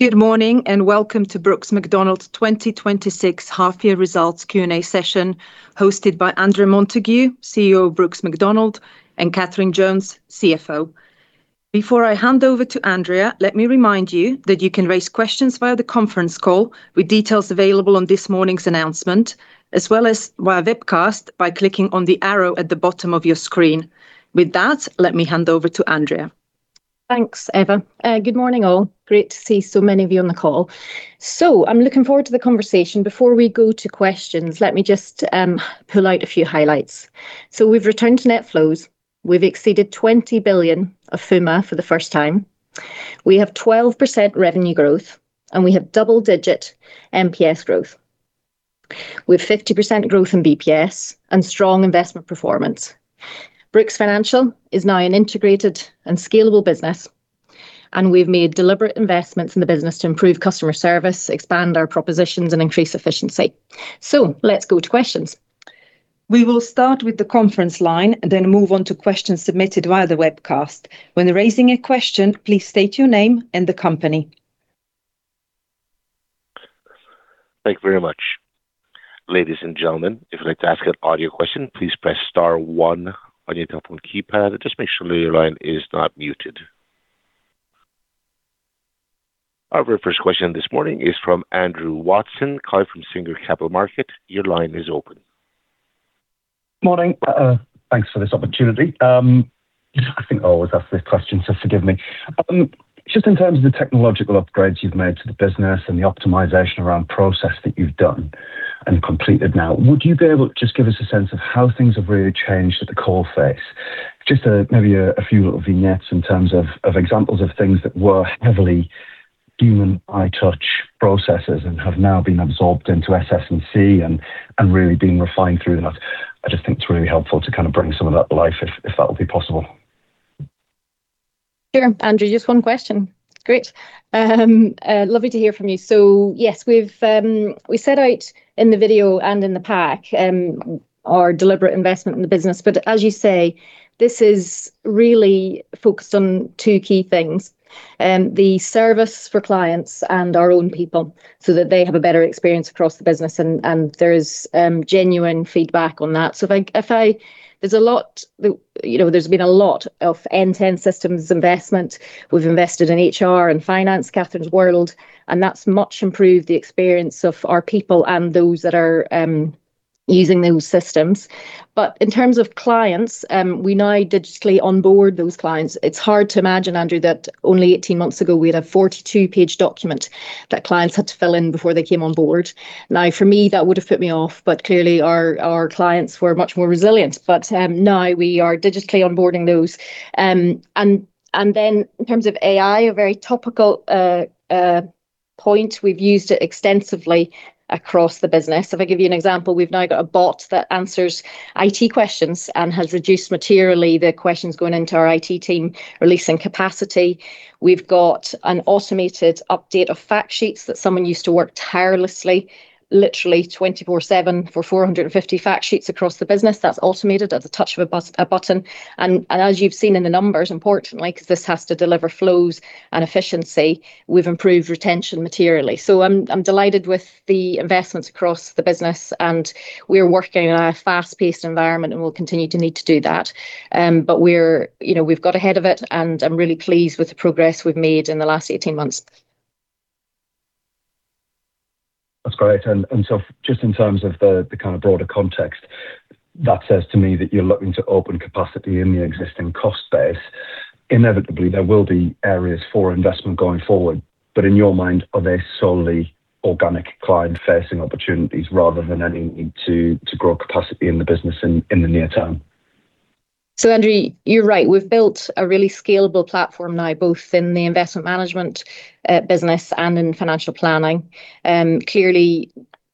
Good morning. Welcome to Brooks Macdonald's 2026 half year results Q&A session, hosted by Andrea Montague, CEO of Brooks Macdonald, and Katherine Jones, CFO. Before I hand over to Andrea, let me remind you that you can raise questions via the conference call, with details available on this morning's announcement, as well as via webcast by clicking on the arrow at the bottom of your screen. Let me hand over to Andrea. Thanks, Eva. Good morning, all. Great to see so many of you on the call. I'm looking forward to the conversation. Before we go to questions, let me just pull out a few highlights. We've returned to net flows. We've exceeded 20 billion of FUMA for the first time. We have 12% revenue growth, and we have double-digit MPS growth. We have 50% growth in BPS and strong investment performance. Brooks Financial is now an integrated and scalable business, and we've made deliberate investments in the business to improve customer service, expand our propositions and increase efficiency. Let's go to questions. We will start with the conference line and then move on to questions submitted via the webcast. When raising a question, please state your name and the company. Thank you very much. Ladies and gentlemen, if you'd like to ask an audio question, please press star one on your telephone keypad and just make sure that your line is not muted. Our very first question this morning is from Andrew Watson, call from Singer Capital Markets. Your line is open. Morning. Thanks for this opportunity. I think I always ask this question, so forgive me. Just in terms of the technological upgrades you've made to the business and the optimization around process that you've done and completed now, would you be able to just give us a sense of how things have really changed at the core phase? Just, maybe a few little vignettes in terms of examples of things that were heavily human eye-touch processes and have now been absorbed into SSNC and really being refined through that. I just think it's really helpful to kind of bring some of that to life, if that would be possible. Sure, Andrew. Just one question. Great. Lovely to hear from you. Yes, we've, we set out in the video and in the pack, our deliberate investment in the business, but as you say, this is really focused on two key things: the service for clients and our own people, so that they have a better experience across the business, and there's genuine feedback on that. There's a lot, you know, there's been a lot of end-to-end systems investment. We've invested in HR and finance, Katherine's world, and that's much improved the experience of our people and those that are using those systems. In terms of clients, we now digitally onboard those clients. It's hard to imagine, Andrew, that only 18 months ago, we had a 42-page document that clients had to fill in before they came on board. For me, that would have put me off, but clearly, our clients were much more resilient. Now we are digitally onboarding those. Then in terms of AI, a very topical point, we've used it extensively across the business. If I give you an example, we've now got a bot that answers IT questions and has reduced materially the questions going into our IT team, releasing capacity. We've got an automated update of fact sheets that someone used to work tirelessly, literally 24/7 for 450 fact sheets across the business. That's automated at the touch of a button, and as you've seen in the numbers, importantly, because this has to deliver flows and efficiency, we've improved retention materially. I'm delighted with the investments across the business, and we're working in a fast-paced environment, and we'll continue to need to do that. You know, we've got ahead of it, and I'm really pleased with the progress we've made in the last 18 months. That's great. Just in terms of the kind of broader context, that says to me that you're looking to open capacity in the existing cost base. Inevitably, there will be areas for investment going forward, but in your mind, are they solely organic client-facing opportunities rather than any need to grow capacity in the business in the near term? Andrew, you're right. We've built a really scalable platform now, both in the investment management, business and in financial planning. Clearly,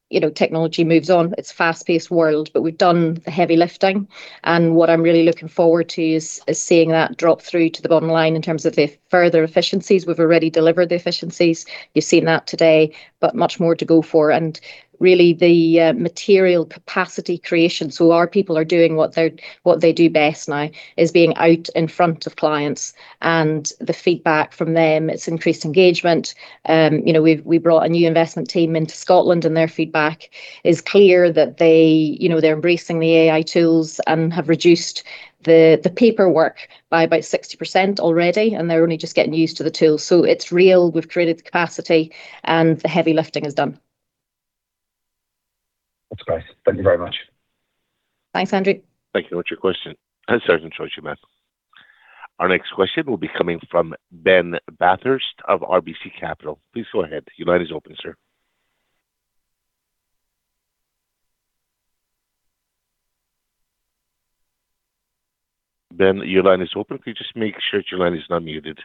you know, technology moves on. It's a fast-paced world, but we've done the heavy lifting, and what I'm really looking forward to is seeing that drop through to the bottom line in terms of the further efficiencies. We've already delivered the efficiencies. You've seen that today, but much more to go for, and really the material capacity creation. Our people are doing what they do best now, is being out in front of clients, and the feedback from them, it's increased engagement. You know, we've, we brought a new investment team into Scotland, and their feedback is clear that they, you know, they're embracing the AI tools and have reduced the paperwork by about 60% already, and they're only just getting used to the tools. It's real. We've created the capacity, and the heavy lifting is done. That's great, thank you very much. Thanks, Andrew. Thank you for your question. Our next question will be coming from Ben Bathurst of RBC Capital. Please go ahead. Your line is open, sir. Ben, your line is open. Could you just make sure your line is not muted?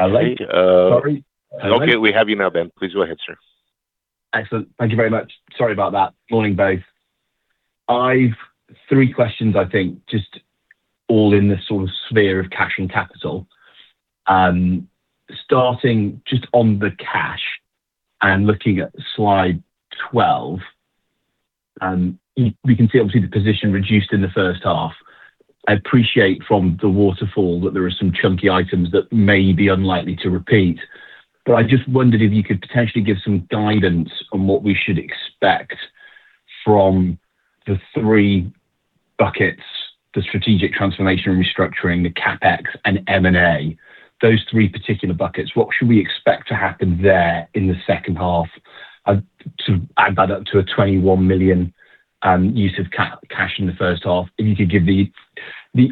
Sorry. Okay, we have you now, Ben. Please go ahead, sir. Excellent. Thank you very much. Sorry about that. Morning, both. I've three questions, I think, just all in this sort of sphere of cash and capital. Starting just on the cash, and looking at slide 12, and we can see obviously the position reduced in the first half. I appreciate from the waterfall that there are some chunky items that may be unlikely to repeat, but I just wondered if you could potentially give some guidance on what we should expect from the three buckets, the strategic transformation and restructuring, the CapEx and M&A. Those three particular buckets, what should we expect to happen there in the second half? To add that up to a 21 million use of cash in the first half. If you could give the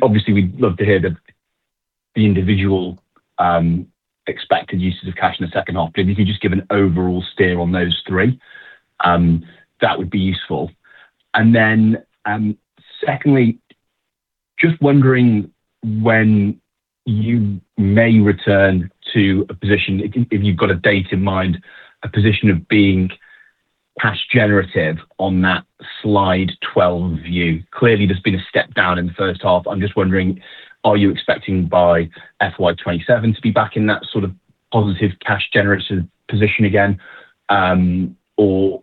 obviously, we'd love to hear the individual expected uses of cash in the second half. If you could just give an overall steer on those three, that would be useful. Secondly, just wondering when you may return to a position, if you've got a date in mind, of being cash generative on that slide 12 view. Clearly, there's been a step down in the first half. I'm just wondering, are you expecting by FY 2027 to be back in that sort of positive cash generative position again, or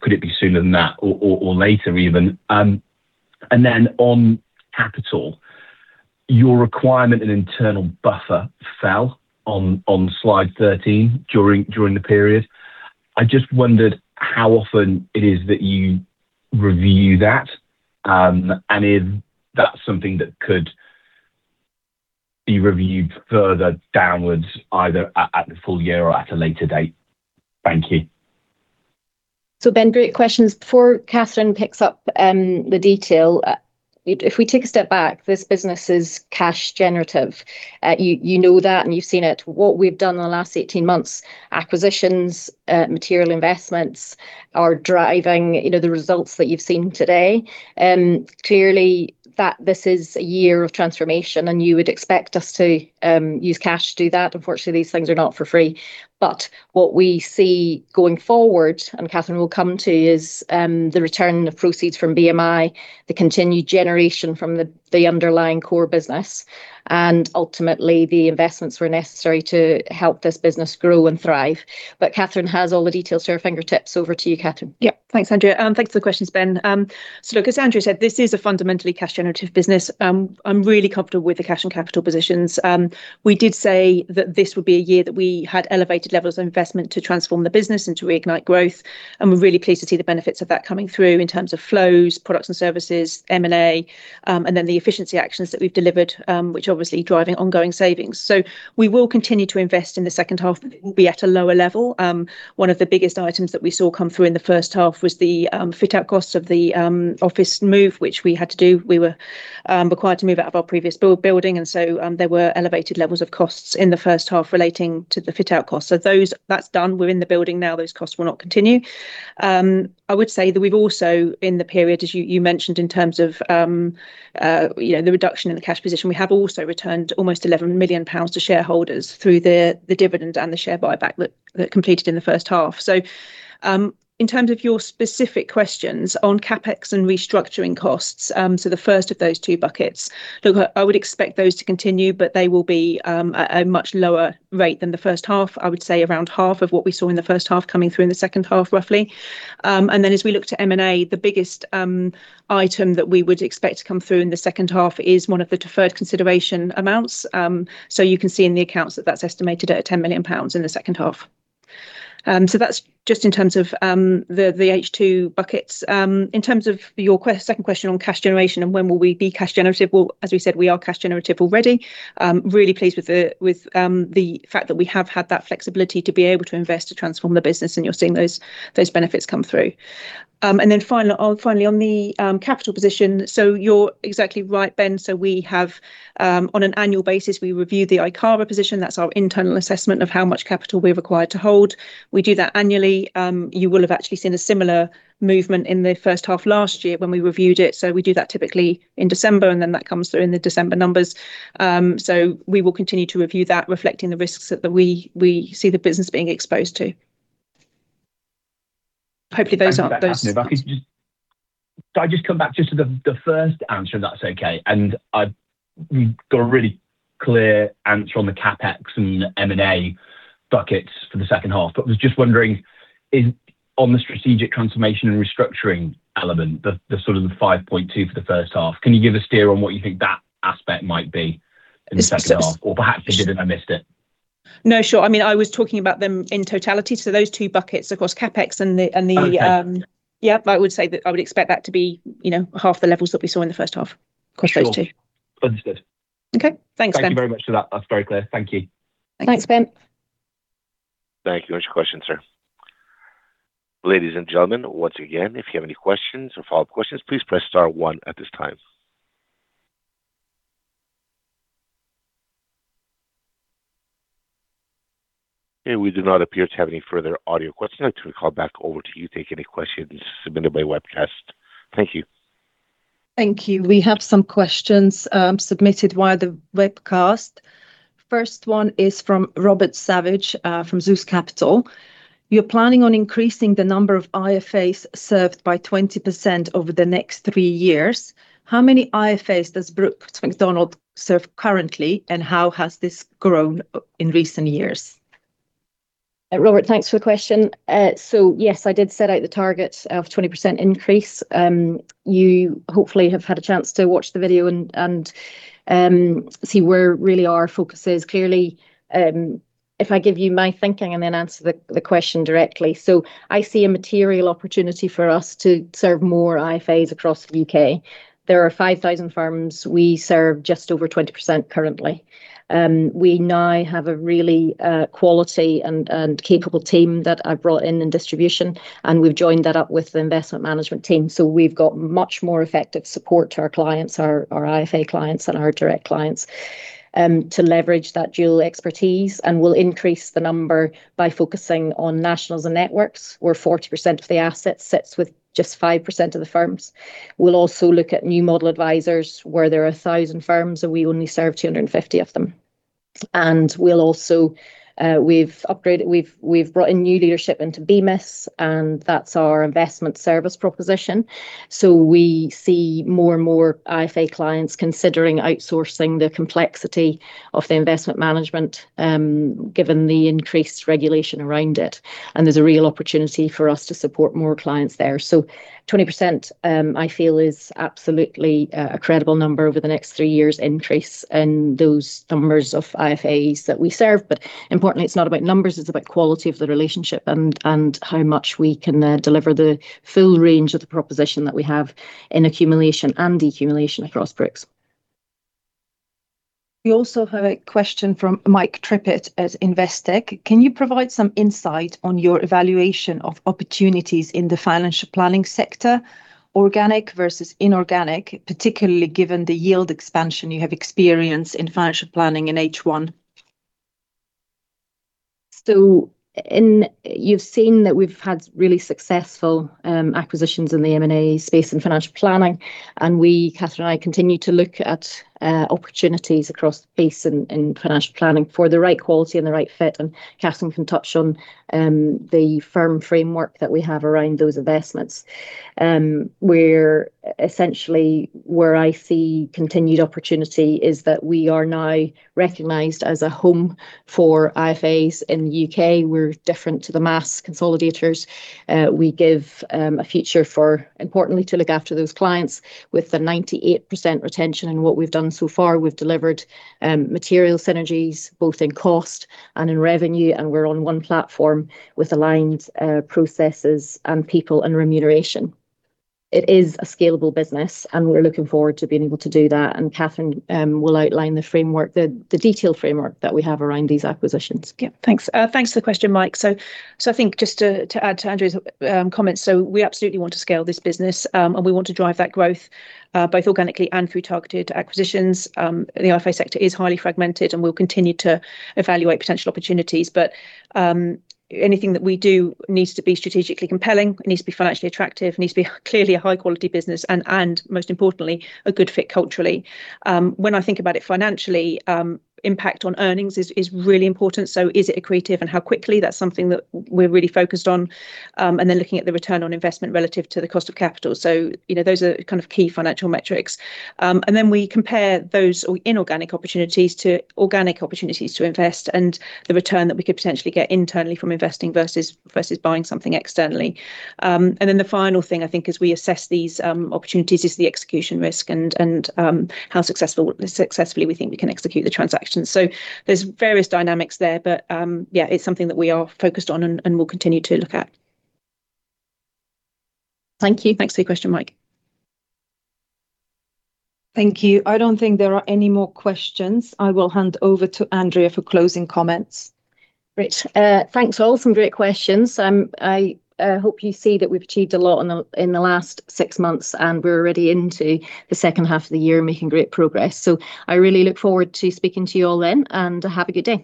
could it be sooner than that or later even? On capital, your requirement in internal buffer fell on slide 13 during the period. I just wondered how often it is that you review that, and if that's something that could be reviewed further downwards, either at the full year or at a later date. Thank you. Ben, great questions. Before Katherine picks up, the detail, if we take a step back, this business is cash generative. You know that, and you've seen it. What we've done in the last 18 months, acquisitions, material investments are driving, you know, the results that you've seen today. Clearly, that this is a year of transformation, and you would expect us to use cash to do that. Unfortunately, these things are not for free. What we see going forward, and Katherine will come to, is the return of proceeds from BMI, the continued generation from the underlying core business, and ultimately, the investments were necessary to help this business grow and thrive. Katherine has all the details at her fingertips. Over to you, Katherine. Yep. Thanks, Andrea. Thanks for the questions, Ben. Look, as Andrea said, this is a fundamentally cash generative business. I'm really comfortable with the cash and capital positions. We did say that this would be a year that we had elevated levels of investment to transform the business and to reignite growth, and we're really pleased to see the benefits of that coming through in terms of flows, products and services, M&A, and then the efficiency actions that we've delivered, which are obviously driving ongoing savings. We will continue to invest in the second half, but it will be at a lower level. One of the biggest items that we saw come through in the first half was the fit-out cost of the office move, which we had to do. We were required to move out of our previous building. There were elevated levels of costs in the first half relating to the fit-out cost. That's done. We're in the building now. Those costs will not continue. I would say that we've also, in the period, as you mentioned, in terms of, you know, the reduction in the cash position, we have also returned almost 11 million pounds to shareholders through the dividend and the share buyback that completed in the first half. In terms of your specific questions on CapEx and restructuring costs, the first of those two buckets, look, I would expect those to continue, but they will be at a much lower rate than the first half. I would say around half of what we saw in the first half coming through in the second half, roughly. As we look to M&A, the biggest item that we would expect to come through in the second half is one of the deferred consideration amounts. You can see in the accounts that that's estimated at 10 million pounds in the second half. That's just in terms of the H2 buckets. In terms of your second question on cash generation and when will we be cash generative? As we said, we are cash generative already. Really pleased with the fact that we have had that flexibility to be able to invest to transform the business, and you're seeing those benefits come through. Finally, on the capital position, you're exactly right, Ben. We have on an annual basis, we review the ICAAR position. That's our internal assessment of how much capital we're required to hold. We do that annually. You will have actually seen a similar movement in the first half last year when we reviewed it. We do that typically in December, and then that comes through in the December numbers. We will continue to review that, reflecting the risks that we see the business being exposed to. Hopefully, those answer those. Can I just come back just to the, the first answer, if that's okay? I've got a really clear answer on the CapEx and M&A buckets for the second half, but was just wondering, is on the strategic transformation and restructuring element, the, the sort of the 5.2 for the first half, can you give a steer on what you think that aspect might be in the second half, or perhaps you did, and I missed it? No, sure. I mean, I was talking about them in totality, so those two buckets across CapEx and the, and the. Okay. Yep, I would say that I would expect that to be, you know, half the levels that we saw in the first half across those two. Understood. Okay. Thanks, Ben. Thank you very much for that. That's very clear. Thank you. Thanks, Ben. Thank you. Next question, sir. Ladies and gentlemen, once again, if you have any questions or follow-up questions, please press star one at this time. Okay, we do not appear to have any further audio questions. I turn the call back over to you to take any questions submitted by webcast. Thank you. Thank you. We have some questions submitted via the webcast. First one is from Robert Savage from Zeus Capital: "You're planning on increasing the number of IFAs served by 20% over the next three years. How many IFAs does Brooks Macdonald serve currently, and how has this grown in recent years?" Robert, thanks for the question. Yes, I did set out the target of 20% increase. You hopefully have had a chance to watch the video and see where really our focus is. Clearly, if I give you my thinking and then answer the question directly. I see a material opportunity for us to serve more IFAs across the U.K. There are 5,000 firms. We serve just over 20% currently. We now have a really quality and capable team that I brought in, in distribution, and we've joined that up with the investment management team. We've got much more effective support to our clients, our IFA clients, and our direct clients to leverage that dual expertise, and we'll increase the number by focusing on nationals and networks, where 40% of the assets sits with just 5% of the firms. We'll also look at new model advisors, where there are 1,000 firms, and we only serve 250 of them. We'll also, We've brought in new leadership into BMIS, and that's our investment service proposition. We see more and more IFA clients considering outsourcing the complexity of the investment management, given the increased regulation around it, and there's a real opportunity for us to support more clients there So, 20%, I feel, is absolutely a credible number over the next three years increase in those numbers of IFAs that we serve. Importantly, it's not about numbers, it's about quality of the relationship and, and how much we can deliver the full range of the proposition that we have in accumulation and deaccumulation across Brooks. We also have a question from Mike Trippitt at Investec: "Can you provide some insight on your evaluation of opportunities in the financial planning sector, organic versus inorganic, particularly given the yield expansion you have experienced in financial planning in H1?" You've seen that we've had really successful acquisitions in the M&A space and financial planning, and we, Katherine and I, continue to look at opportunities across the space in financial planning for the right quality and the right fit. Katherine can touch on the firm framework that we have around those investments. Where, essentially, where I see continued opportunity is that we are now recognized as a home for IFAs in the U.K. We're different to the mass consolidators. We give a future for, importantly, to look after those clients with a 98% retention in what we've done so far. We've delivered material synergies, both in cost and in revenue, and we're on one platform with aligned processes and people and remuneration. It is a scalable business, and we're looking forward to being able to do that, and Katherine will outline the detailed framework that we have around these acquisitions. Yeah. Thanks. Thanks for the question, Mike. I think just to add to Andrea's comments, we absolutely want to scale this business and we want to drive that growth both organically and through targeted acquisitions. The IFA sector is highly fragmented, and we'll continue to evaluate potential opportunities. Anything that we do needs to be strategically compelling, it needs to be financially attractive, it needs to be clearly a high-quality business and most importantly, a good fit culturally. When I think about it financially, impact on earnings is really important, is it accretive, and how quickly? That's something that we're really focused on, looking at the return on investment relative to the cost of capital. You know, those are kind of key financial metrics. We compare those or inorganic opportunities to organic opportunities to invest and the return that we could potentially get internally from investing versus buying something externally. The final thing, I think, as we assess these opportunities, is the execution risk and how successfully we think we can execute the transaction. There's various dynamics there, but yeah, it's something that we are focused on and we'll continue to look at. Thank you. Thanks for your question, Mike. Thank you. I don't think there are any more questions. I will hand over to Andrea for closing comments. Great. Thanks, all. Some great questions. I hope you see that we've achieved a lot in the six months, and we're already into the second half of the year, making great progress. I really look forward to speaking to you all then, and have a good day.